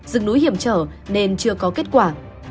rừng núi hiểm trở nên chưa có kết quả